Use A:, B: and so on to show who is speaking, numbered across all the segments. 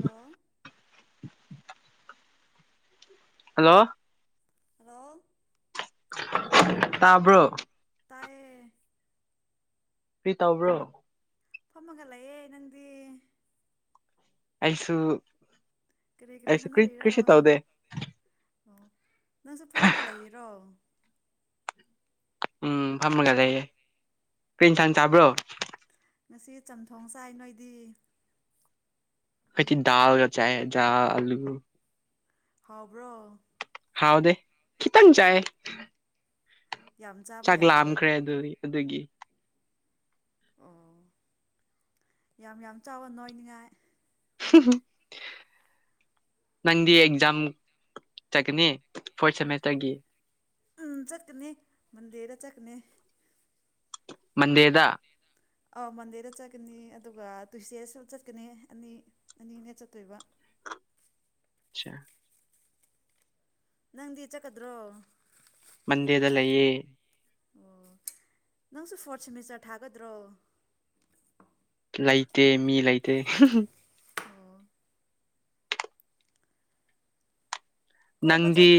A: Hello
B: hello
A: hello
B: ꯇꯥꯕ꯭ꯔꯣ
A: ꯇꯌꯦ
B: ꯀꯔꯤ ꯇꯧꯕ꯭ꯔꯣ
A: ꯐꯝꯃꯒ ꯂꯩꯑꯦ ꯅꯪꯗꯤ
B: ꯑꯩꯁꯨ
A: ꯀꯔꯤ ꯀꯔꯤ
B: ꯑꯩꯁ ꯀ꯭ꯔꯤ
A: ꯍꯣꯠꯅꯔꯤꯔꯣ
B: ꯀ꯭ꯔꯤꯁꯨ ꯇꯥꯎꯗꯦ
A: ꯑꯣ ꯅꯪꯁꯨ ꯐꯝꯃꯒ ꯂꯩꯔꯤꯔꯣ
B: ꯎꯝ ꯐꯝꯃꯒ ꯂꯩꯌꯦꯦ ꯀꯔꯤꯏꯟꯁꯥꯡ ꯆꯥꯕ꯭ꯔꯣ
A: ꯉꯁꯤ ꯆꯝꯊꯣꯡ ꯆꯥꯏ ꯅꯣꯏꯗꯤ
B: ꯑꯩꯈꯣꯏꯗꯤ ꯗꯜꯒ ꯆꯥꯏ ꯌꯦ ꯑꯂꯨ
A: ꯍꯥꯎꯕ꯭ꯔꯣ
B: ꯍꯥꯎꯗꯦ ꯀꯈꯤ ꯈꯤꯇꯪ ꯆꯌꯦ
A: ꯌꯥꯝ ꯆꯥꯕ
B: ꯆꯥꯛ
A: ꯌꯥꯗ꯭ꯔꯣ
B: ꯂꯥꯝꯈ꯭ꯔꯦ ꯑꯗꯨꯒꯤ
A: ꯑꯣ ꯌꯥꯝ ꯌꯥꯝ ꯆꯥꯎꯋꯣ ꯅꯣꯏꯅꯤꯉꯥꯏ
B: ꯅꯪꯗꯤ ꯑꯦꯛꯖꯥꯝ ꯆꯠꯀꯅꯤ ꯐꯣꯔꯠ ꯁꯦꯃꯦꯁꯇꯔꯒꯤ
A: ꯎꯝ ꯆꯀꯅꯔ ꯃꯟꯗꯦꯗ ꯆꯠꯀꯅꯤ
B: ꯃꯟꯗꯦꯗꯥ
A: ꯑꯧ ꯃꯟꯗꯦꯗ ꯆꯠꯀꯅꯤ ꯑꯗꯨꯒ ꯇꯨꯏꯁꯗꯦꯗꯁꯨ ꯆꯠꯀꯅꯤ ꯑꯅꯤ ꯑꯅꯤ ꯑꯅꯦ ꯆꯠꯇꯣꯏꯕ
B: ꯑꯆꯥ
A: ꯅꯪꯗꯤ ꯆꯠꯀꯗ꯭ꯔꯣ
B: ꯃꯟꯗꯦꯗ ꯂꯌꯦꯦ
A: ꯑꯣ ꯅꯪꯁꯨ ꯐꯣꯔꯠ ꯁꯦꯃꯤꯁꯇꯔ ꯊꯥꯒꯗ꯭ꯔꯣ
B: ꯂꯩꯇꯦ ꯃꯤ ꯂꯩꯇꯦ
A: ꯑꯣ ꯀꯣꯏꯕ
B: ꯅꯪꯗꯤ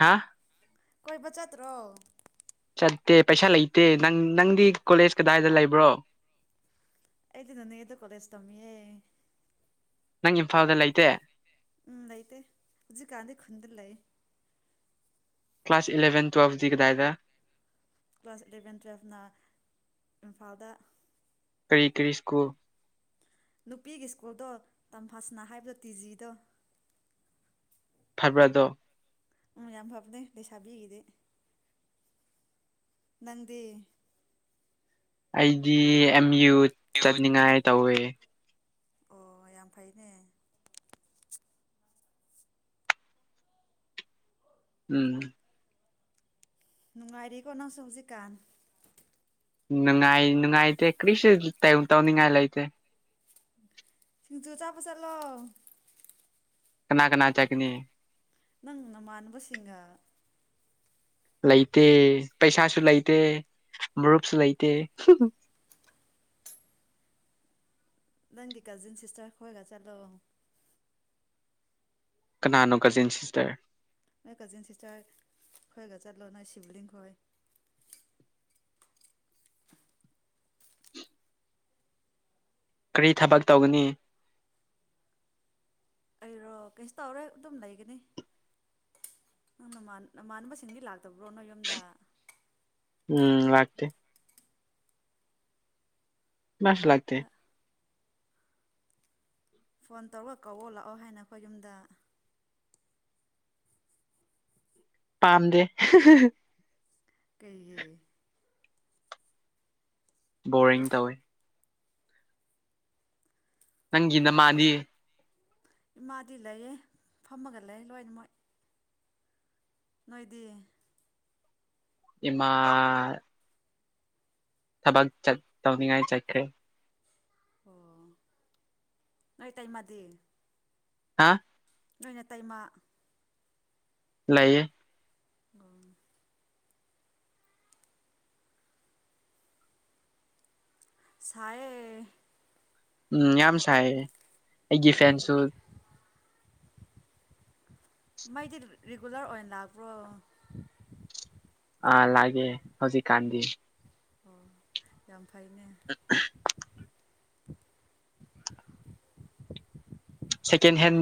B: ꯍꯥ
A: ꯀꯣꯏꯕꯆꯠꯇ꯭ꯔꯣ
B: ꯂꯩꯇꯦ ꯄꯩꯁꯥ ꯂꯩꯇꯦ ꯅꯪ ꯅꯪꯗꯤ ꯀꯣꯂꯦꯖ ꯀꯗꯥꯏꯗ ꯂꯩꯕ꯭ꯔꯣ
A: ꯑꯩꯗꯤ ꯅꯣꯅꯦꯗ ꯀꯣꯂꯦꯁ ꯇꯝꯦ
B: ꯅꯪ ꯏꯝꯐꯥꯜꯗ ꯂꯩꯇꯦ
A: ꯎꯝ ꯂꯩꯇꯦ ꯍꯧꯖꯤꯛ ꯀꯥꯟꯗꯤ ꯈꯨꯨꯟꯗ ꯂꯩ
B: ꯀ꯭ꯂꯥꯁ ꯏꯂꯚꯦꯟ ꯇꯨꯋꯦꯜꯚꯗꯤ ꯀꯗꯥꯥꯏꯗ
A: ꯀ꯭ꯂꯥꯁ ꯑꯦꯂꯚꯦꯟ ꯇꯨꯋꯦꯜꯐꯅ ꯏꯝꯐꯥꯜꯗ
B: ꯀꯔꯤ ꯀꯔꯤ ꯁ꯭ꯀꯨꯜ
A: ꯅꯨꯄꯤꯒꯤ ꯁ꯭ꯀꯨꯜꯗꯣ ꯇꯝꯐꯥꯁꯅꯥ ꯍꯥꯏꯕꯗꯣ ꯇꯤ ꯖꯤꯗꯣ
B: ꯐꯕ꯭ꯔꯥꯗꯣ
A: ꯎꯝ ꯌꯥꯝ ꯐꯕꯅꯦ ꯂꯩꯩꯁꯥꯕꯤꯒꯤꯗꯤ ꯅꯪꯗꯤ
B: ꯑꯩꯗꯤ ꯑꯦꯝ ꯌꯨ ꯆꯠꯅꯤꯡꯉꯥꯏ ꯇꯧꯋꯦ
A: ꯑꯣ ꯌꯥꯝ ꯐꯩꯅꯦ
B: ꯎꯝ
A: ꯅꯨꯡꯉꯥꯏꯔꯤꯀꯣ ꯅꯪꯁꯨ ꯍꯧꯖꯤꯛꯀꯥꯟ
B: ꯅꯨꯡꯉꯥꯏ ꯅꯨꯡꯉꯥꯏꯇꯦ ꯀꯔꯤꯁꯨ ꯇ ꯇꯧꯅꯤꯡꯉꯥꯏ ꯂꯩꯇꯦ
A: ꯁꯤꯡꯖꯨ ꯆꯥꯕ ꯆꯠꯂꯣ
B: ꯀꯅꯥ ꯀꯅꯥ ꯆꯠꯀꯅꯤ
A: ꯅꯪ ꯅꯃꯥꯟꯅꯕꯁꯤꯡꯒ
B: ꯂꯩꯇꯦ ꯄꯩꯁꯥꯁꯨ ꯂꯩꯇꯦ ꯃꯔꯨꯞꯁꯨ ꯂꯩꯇꯦ ꯍꯨꯡꯍꯨꯡ
A: ꯅꯪꯗꯤ ꯀꯖꯤꯟ ꯁꯤꯁꯇꯔ ꯈꯣꯏꯒ ꯆꯠꯂꯣ
B: ꯀꯅꯥꯅꯣ ꯀꯖꯤꯟ ꯁꯤꯁꯇꯔ
A: ꯅꯣꯏ ꯀꯖꯤꯟ ꯁꯤꯁꯇꯔ ꯈꯣꯏꯒ ꯆꯠꯂꯣ ꯅꯣꯏ ꯁꯤꯕ꯭ꯂꯤꯡ ꯈꯣꯏ
B: ꯀꯔꯤ ꯊꯕꯛ ꯇꯧꯒꯅꯤ
A: ꯑꯩꯔꯣ ꯀꯩꯁꯨ ꯇꯧꯔꯣꯢ ꯑꯗꯨꯝ ꯂꯩꯒꯅꯤ ꯅꯪ ꯅꯃꯥꯟ ꯅꯃꯥꯅꯕꯁꯤꯡꯗꯤ ꯂꯥꯛꯇꯕ꯭ꯔꯣ ꯅꯣꯢꯌꯨꯝꯗ
B: ꯎꯝ ꯂꯥꯛꯇꯦ ꯀ꯭ꯅꯥꯁꯨ ꯂꯥꯛꯇ
A: ꯐꯣꯟ ꯇꯧꯔꯒ ꯀꯎꯑꯣ ꯂꯥꯛꯑꯣ ꯍꯥꯏꯅ ꯑꯩꯈꯣꯏ ꯌꯨꯝꯗ
B: ꯄꯥꯝꯗꯦ
A: ꯀꯩꯒꯤ
B: ꯕꯣꯔꯤꯡ ꯇꯧꯋꯤ ꯅꯪꯒꯤ ꯅꯃꯥꯗꯤ
A: ꯏꯃꯥꯗꯤ ꯂꯩꯌꯦ ꯐꯝꯃꯒ ꯂꯩ ꯂꯣꯏꯅ ꯃꯣꯏ ꯅꯣꯏꯗꯤ
B: ꯏꯃꯥ ꯊꯕꯛ ꯆꯠ ꯇꯧꯅꯤꯡꯉꯥꯏ ꯆꯠꯈ꯭ꯔꯦ
A: ꯑꯣ ꯅꯣꯏ ꯇꯩꯏꯃꯗꯤ
B: ꯍꯥ
A: ꯅꯣꯏ ꯅꯇꯩꯃꯥ
B: ꯂꯩꯥꯏꯌꯦ
A: ꯎꯡ ꯁꯥꯢꯌꯦ
B: ꯎꯝ ꯌꯥꯝꯁꯥꯏꯌꯦ ꯑꯩꯒꯤ ꯐꯦꯟꯁꯨ
A: ꯃꯩꯗꯤ ꯔꯤꯒꯨꯂꯔ ꯑꯣꯏꯅ ꯂꯥꯛꯄ꯭ꯔꯣ
B: ꯑꯥ ꯂꯥꯛꯑꯦ ꯍꯧꯖꯤꯛꯀꯥꯟꯗꯤ
A: ꯑꯣ ꯌꯥꯝ ꯐꯩ
B: ꯍ ꯁꯦꯀꯦꯟ ꯍꯦꯟ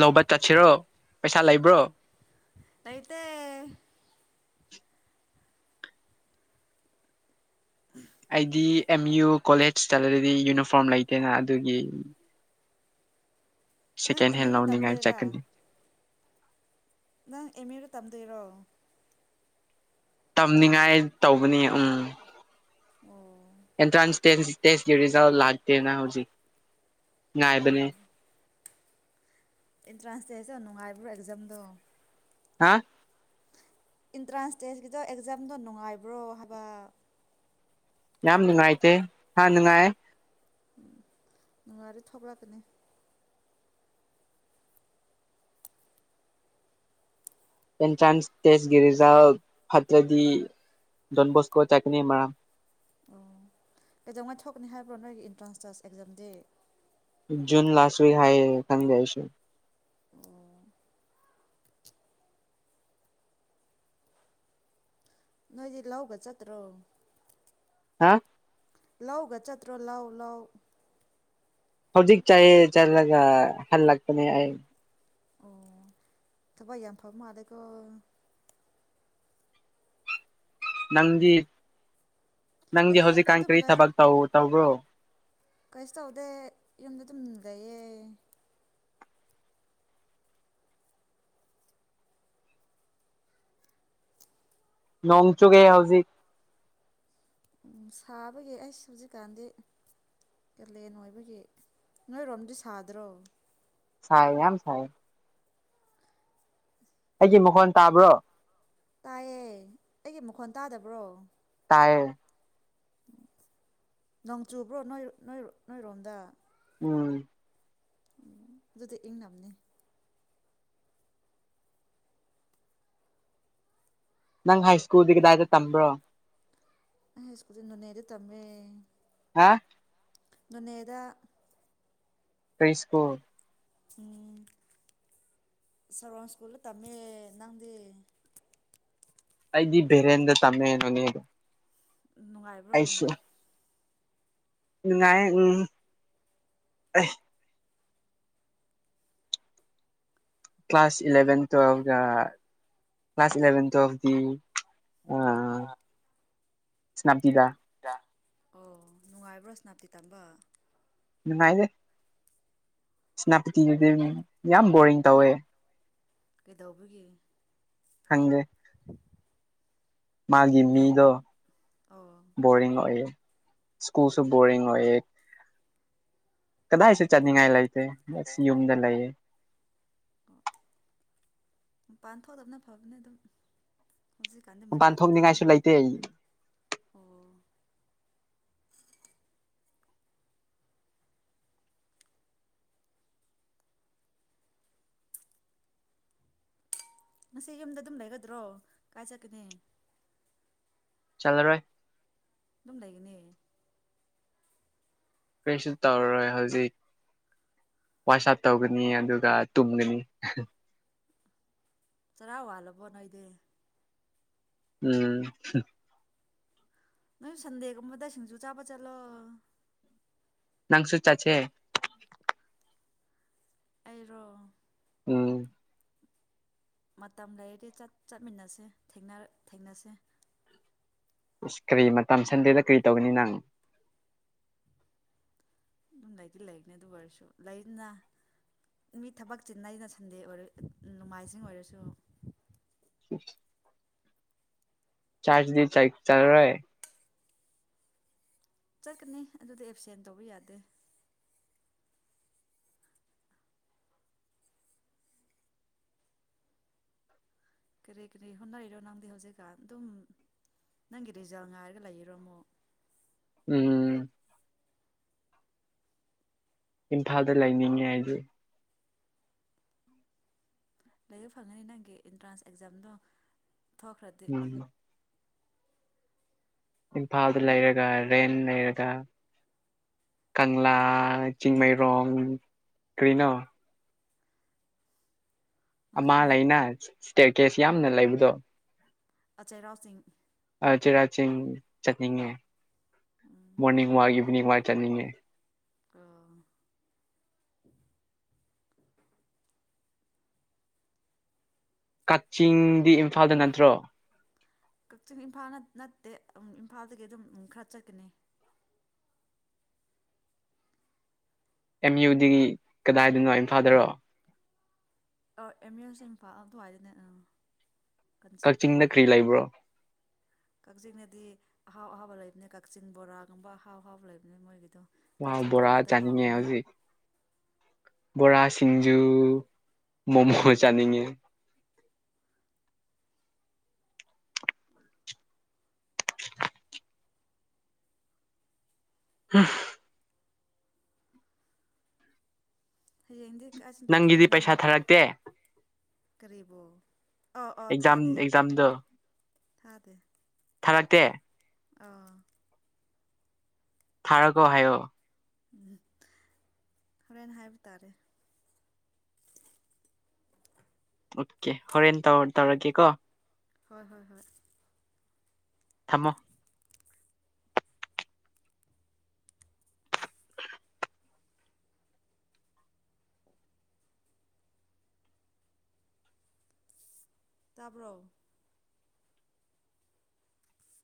B: ꯂꯧꯕ ꯆꯠꯁꯤꯔꯣ ꯄꯩꯁꯥ ꯂꯩꯕ꯭ꯔꯣ
A: ꯂꯩꯇꯦ
B: ꯑꯩꯗꯤ ꯑꯦꯝ ꯌꯨ ꯀꯣꯂꯦꯖ ꯆꯠꯂꯗꯤ ꯌꯨꯅꯤꯐꯣꯔꯝ ꯂꯩꯇꯦꯅ ꯑꯗꯨꯒꯤ
A: ꯅꯪ
B: ꯁꯦꯀꯦꯟ
A: ꯑꯦꯝ
B: ꯍꯦꯟ
A: ꯌꯨꯗ
B: ꯂꯧꯎꯅꯤꯡꯉꯥꯏ
A: ꯇꯝꯗꯣꯏꯔꯥ
B: ꯆꯠꯀꯅꯤ [inaudible]
A: ꯅꯪ ꯑꯦꯝꯌꯨꯗ ꯇꯝꯗꯣꯏꯔꯣ
B: ꯇꯝꯅꯤꯡꯉꯥꯏ ꯇꯧꯕꯅꯤ ꯎꯝ
A: ꯑꯣ
B: ꯑꯦꯟꯇ꯭ꯔꯥꯟꯁ ꯇꯦꯁꯒꯤ ꯔꯤꯖꯜ ꯂꯥꯛꯇꯦꯅ ꯍꯧꯖꯤꯛ ꯉꯥꯏꯕꯅꯦ
A: ꯑꯦꯟꯇ꯭ꯔꯥꯟꯁ ꯇꯦꯁ ꯅꯨꯡꯉꯥꯏꯕ꯭ꯔꯣ ꯑꯦꯛꯖꯥꯝꯗꯣ
B: ꯍꯥ
A: ꯏꯟꯇ꯭ꯔꯥꯟꯁ ꯇꯦꯖꯀꯤꯗꯣ ꯑꯦꯛꯖꯥꯝꯗꯣ ꯅꯨꯡꯉꯥꯏꯕ꯭ꯔꯣ ꯍꯥꯏꯕ
B: ꯌꯥꯝ ꯅꯨꯡꯉꯥꯏꯇꯦ ꯍꯥꯥ ꯅꯨꯡꯉꯥꯏ
A: ꯎꯝ ꯅꯨꯡꯉꯥꯢꯔꯣ ꯊꯣꯛꯂꯛꯀꯅꯤ
B: ꯑꯦꯟꯇ꯭ꯔꯥꯟꯁ ꯇꯦꯁꯀꯤ ꯔꯤꯖꯜ ꯐꯠꯇ꯭ꯔꯗꯤ ꯗꯣꯟꯕꯣꯁꯀꯣ ꯆꯥꯛꯀꯅꯤ ꯃꯔꯥꯝ
A: ꯑꯣ ꯀꯩꯗꯧꯉꯥꯏ ꯊꯣꯛꯀꯅꯤ ꯍꯥꯏꯕ꯭ꯔꯣ ꯅꯣꯏꯒꯤ ꯑꯦꯟꯇ꯭ꯔꯥꯟꯁ ꯇꯥꯁ ꯑꯦꯛꯖꯥꯝꯗꯤ
B: ꯖꯨꯨꯟ ꯂꯥꯁ ꯋꯤꯛ ꯍꯥꯏꯌꯦ ꯈꯪꯗꯦ ꯑꯩꯁꯨ
A: ꯑꯣ ꯅꯣꯏꯗꯤ ꯂꯎꯒ ꯆꯠꯇ꯭ꯔꯣ
B: ꯍꯥ
A: ꯂꯧꯒ ꯆꯠꯇ꯭ꯔꯣ ꯂꯧ ꯂꯧ
B: ꯍꯧꯖꯤꯛ ꯆꯥꯏꯌꯦ ꯆꯜꯂꯒ ꯍꯜꯂꯛꯄꯅꯦ ꯑꯩ
A: ꯑꯣ ꯊꯕꯛ ꯌꯥꯝꯐꯃꯥꯂꯦꯀꯣ
B: ꯅꯪꯗꯤ ꯅꯪꯒꯤ
A: ꯑꯩꯗꯤ
B: ꯍꯖꯤꯛ
A: ꯌꯨꯝꯗ
B: ꯀꯥ
A: ꯑꯗꯨꯝ
B: ꯀꯔꯤ
A: ꯂꯩ
B: ꯊꯕꯛ ꯇꯧ ꯇꯧꯔꯣ
A: ꯀꯩꯁꯨ ꯇꯧꯗꯦ ꯌꯨꯝꯗ ꯑꯗꯨꯝ ꯂꯩꯌꯦ
B: ꯅꯣꯡꯆꯨꯒꯦ ꯍꯧꯖꯤꯛ
A: ꯎꯝ ꯁꯥꯕꯒꯤ ꯑꯩꯁꯨ ꯍꯧꯖꯤꯛꯀꯥꯟꯗꯤ ꯀꯦꯂꯦꯟ ꯑꯣꯏꯕꯒꯤ ꯅꯣꯏꯔꯣꯝꯗꯤ ꯁꯥꯗ꯭ꯔꯣ
B: ꯁꯥꯏ ꯌꯥꯝ ꯁꯥꯏ ꯑꯩꯒꯤ ꯃꯈꯣꯟ ꯇꯥꯕ꯭ꯔꯣ
A: ꯇꯥꯏꯌꯦ ꯑꯩꯒꯤ ꯃꯈꯣꯟ ꯇꯥꯗꯕ꯭ꯔꯣ
B: ꯇꯥꯢꯌꯦ
A: ꯅꯣꯡ ꯆꯨꯕ꯭ꯔꯣ ꯅꯣꯏ ꯅꯣꯏ ꯅꯣꯏꯔꯣꯝꯗ
B: ꯎꯝ
A: ꯎ ꯑꯗꯨꯗꯤ ꯏꯪ ꯅꯅꯤ
B: ꯅꯪ ꯍꯥꯏ ꯁ꯭ꯀꯨꯜꯗꯤ ꯀꯗꯥꯏꯗ ꯇꯝꯕ꯭ꯔꯣ
A: ꯑꯩ ꯍꯥꯢ ꯁ꯭ꯀꯨꯖꯦ ꯅꯣꯅꯦꯗ ꯇꯝꯃꯦ
B: ꯍꯥ
A: ꯅꯣꯅꯦꯗ
B: ꯀ꯭ꯔꯤ ꯁ꯭ꯀꯨꯜ?
A: ꯎꯝ ꯁꯔꯣꯟ ꯁ꯭ꯀꯨꯜꯗ ꯇꯝꯃꯦ꯫ ꯅꯪꯗꯤ?
B: ꯑꯩꯗꯤ ꯕꯔꯦꯟꯗ ꯇꯃꯦ ꯅꯣꯅꯦꯗ꯫
A: ꯅꯨꯡꯉꯥꯏꯕ꯭ꯔꯣ?
B: ꯅꯨꯉꯥꯏꯌꯦ ꯎꯝ꯫ ꯑꯩ ꯀ꯭ꯂꯥꯁ ꯏꯂꯚꯦꯟ ꯇꯨꯋꯦꯜꯐꯒ ꯀ꯭ꯂꯥꯁ ꯏꯂꯚꯦꯟ ꯇꯨꯋꯦꯜꯐꯗꯤ ꯑ
A: ꯑ
B: ꯁꯦꯅꯞꯇꯤꯗ
A: ꯑꯣ ꯅꯨꯡꯉꯥꯏꯕ꯭ꯔꯣ ꯁ ꯅꯥꯄꯤꯄꯤ ꯇꯝꯕ
B: ꯅꯨꯉꯥꯏꯇꯦ ꯁꯅꯥꯄꯇꯤꯗꯨꯗꯤ ꯌꯥꯝ ꯕꯣꯔꯤꯡ ꯇꯧꯋꯦ
A: ꯀꯩꯗꯧꯕꯒꯤ
B: ꯈꯪꯗꯦ ꯃꯥꯒꯤ
A: ꯂꯩ
B: ꯃꯤꯗꯣ
A: ꯑꯣ
B: ꯕꯣꯔꯤꯡ ꯑꯣꯏꯌꯦ ꯁ꯭ꯀꯨꯜꯁꯨ ꯕꯣꯔꯤꯡ ꯑꯣꯏꯌꯦ ꯀꯗꯥꯢꯁꯨ ꯆꯅꯤꯡꯉꯥꯏ ꯂꯩ ꯇꯦ ꯌꯨꯝꯗ ꯂꯩꯌꯦ
A: ꯃꯄꯥꯟ ꯊꯣꯛꯇꯕꯅ ꯐꯕꯅꯦ ꯑꯗꯨꯝ ꯍꯧꯖꯤꯛꯀꯥꯟꯗꯤ
B: ꯃꯄꯥꯟ
A: ꯃꯇꯝ
B: ꯊꯣꯛꯅꯤꯡꯉꯥꯏꯁꯨ
A: ꯐꯠꯇꯕꯅꯤꯅ
B: ꯂꯩꯇꯦ ꯑꯩ
A: ꯑꯣ ꯉꯁꯤ ꯌꯨꯝꯗ ꯑꯗꯨꯝ ꯂꯩꯒꯗ꯭ꯔꯣ ꯀꯥꯏ ꯆꯠꯀꯅꯤ
B: ꯆꯠꯂꯔꯣꯏ
A: ꯑꯗꯨꯝ ꯂꯩꯒꯅꯤ
B: ꯀꯔꯤꯁꯨ ꯇꯧꯔꯔꯣꯏ ꯍꯧꯖꯤꯛ ꯋꯥꯁꯠ ꯇꯧꯒꯅꯤ ꯑꯗꯨꯒ ꯇꯨꯝꯒꯅꯤ
A: ꯆꯔꯥ ꯋꯥꯜꯂꯕꯣ ꯅꯣꯏꯗꯤ
B: ꯎꯝ
A: ꯅꯣꯏ ꯁꯟꯗꯦꯒꯨꯝꯕꯗ ꯁꯤꯡꯖꯨ ꯆꯥꯕ ꯆꯠꯂꯣ
B: ꯅꯪ ꯁꯨ ꯆꯥꯠꯁꯦ
A: ꯑꯩꯔꯣ
B: ꯎꯝ
A: ꯃꯇꯝ ꯂꯩꯔꯗꯤ ꯆꯠ ꯆꯠꯃꯤꯟꯅꯁꯦ ꯊꯦꯡ ꯊꯦꯡꯅꯁꯦ
B: ꯑꯁ ꯀꯔꯤ ꯃꯇꯝ ꯁꯟꯗꯦꯗ ꯀꯔꯤ ꯇꯧꯒꯅꯤ ꯅꯪ
A: ꯂꯩꯗꯤ ꯂꯩꯔꯤꯅꯤ ꯑꯗꯨꯕꯨ ꯑꯣꯏꯔꯁꯨ ꯂꯩꯅ ꯃꯤ ꯊꯕꯛ ꯆꯤꯟꯅꯩꯅ ꯁꯟꯗꯦ ꯑꯣꯏꯔ ꯅꯣꯡꯃꯥꯏꯖꯤꯡ ꯑꯣꯏꯔꯁꯨ
B: ꯏꯁ ꯆꯥꯖꯗꯤ ꯆꯥꯏ ꯆꯔꯦ
A: ꯆꯠꯀꯅꯤ ꯑꯗꯨꯗꯤ ꯑꯦꯞꯁꯦꯟ ꯇꯧꯕ ꯌꯥꯗꯦ ꯀꯔꯤ ꯀꯔꯤ ꯍꯣꯠꯅꯔꯤꯔꯣ ꯅꯪꯗꯤ ꯍꯧꯖꯤꯛꯀꯥꯟ ꯑꯗꯨꯝ ꯅꯪꯒꯤ ꯔꯤꯖꯜ ꯉꯥꯏꯔꯒ ꯂꯩꯔꯣ ꯑꯃꯨꯛ
B: ꯎꯝ ꯏꯝꯐꯥꯜꯗ ꯂꯩꯅꯤꯡꯉꯦ ꯍꯥꯏꯁ
A: ꯂꯩꯕ ꯐꯪꯒꯅꯤ ꯅꯪꯒꯤ ꯑꯦꯟꯇ꯭ꯔꯥꯟꯁ ꯑꯦꯛꯖꯥꯝꯗꯣ ꯊꯣꯛꯈ꯭ꯔꯗꯤ
B: ꯎꯝ ꯏꯝꯐꯥꯜꯗ ꯂꯩꯔꯒ ꯔꯦꯟ ꯂꯩꯔꯒ ꯀꯪꯂꯥ ꯆꯤꯡꯃꯩꯔꯣꯡ ꯀ꯭ꯔꯤꯅꯣ ꯑꯃ
A: ꯈꯪꯉꯤ
B: ꯂꯩꯥꯏꯅꯥ ꯁ꯭ꯇꯦꯠ ꯀꯦꯁ ꯌꯥꯝꯅ ꯂꯩꯕꯗꯣ
A: ꯑ ꯆꯩꯔꯥꯎꯆꯤꯡ
B: ꯑ ꯆꯩꯔꯥꯎ ꯆꯤꯡ ꯆꯠꯅꯤꯡꯉꯦ
A: ꯎꯝ
B: ꯃꯣꯔꯅꯤꯡ ꯋꯥꯢ ꯏꯚꯤꯅꯤꯡꯋꯥꯢ ꯆꯠꯅꯤꯡꯉꯦ
A: ꯑꯥ
B: ꯀꯛꯆꯤꯡꯗꯤ ꯏꯝꯐꯥꯜꯗ ꯅꯠꯇ꯭ꯔꯣ
A: ꯀꯛꯆꯤꯡ ꯏꯝꯐꯥꯜꯅ ꯅꯠꯇꯦ ꯏꯝꯐꯥꯜꯗꯒꯤ ꯑꯗꯨꯝ ꯈꯔ ꯆꯠꯀꯅꯤ
B: ꯑꯦꯝ ꯌꯨꯗꯤꯒꯤ ꯀꯗꯥꯏꯗꯣꯏꯅꯣ ꯏꯝꯐꯥꯜꯗꯔꯣ
A: ꯑ ꯑꯦꯝ ꯌꯨꯁ ꯏꯝꯐꯥꯜ ꯑꯗ꯭ꯋꯥꯢꯗꯅꯦ ꯑ
B: ꯀꯛꯆꯤꯡꯗ ꯀꯔꯤ ꯂꯩꯕ꯭ꯔꯣ
A: ꯀꯛꯆꯤꯡꯗꯗꯤ ꯑꯍꯥꯎ ꯑꯍꯥꯎꯕ ꯂꯩꯕꯅꯦ ꯀꯛꯆꯤꯡ ꯕꯣꯔꯥꯒꯨꯝꯕ ꯑꯍꯥꯎ ꯑꯍꯥꯎꯕ ꯂꯩꯕꯅꯦ ꯃꯣꯏꯒꯤꯗꯣ
B: ꯃꯥ
A: ꯀꯛꯆꯤꯡ
B: ꯕꯣꯔꯥ
A: ꯕꯣꯔꯥꯗꯣ
B: ꯆꯥꯅꯤꯡꯉꯦ
A: ꯍꯥꯎꯕꯅꯦ
B: ꯍꯧꯖꯤꯛ ꯕꯣꯔꯥ ꯁꯤꯡꯖꯨ ꯃꯣꯃꯣ ꯆꯥꯅꯤꯡꯉꯦ ꯑ
A: ꯌꯦꯡꯗꯤ
B: ꯅꯪꯗꯤ ꯄꯩꯁꯥ ꯊꯔꯛꯇꯦ
A: ꯀ꯭ꯔꯤꯕꯣ
B: ꯑꯦꯛꯖꯝ ꯑꯦꯛꯖꯝꯗ
A: ꯊꯥꯗꯦ
B: ꯊꯥꯔꯛꯇꯦ
A: ꯑꯥ
B: ꯊꯥꯔꯒꯣ ꯍꯥꯏꯌꯣ
A: ꯎꯝ ꯍꯣꯔꯦꯟꯅ ꯍꯥꯏꯕ ꯇꯥꯔꯦ
B: ꯑꯣꯀꯦ ꯍꯣꯔꯦꯟ ꯇꯧꯔꯒꯦ ꯀꯣ
A: ꯍꯣꯏ ꯍꯣꯏ ꯍꯣꯏ
B: ꯊꯝꯃꯣ
A: ꯇꯥꯄ꯭ꯔꯣ